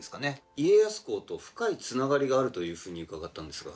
家康公と深いつながりがあるというふうに伺ったんですが。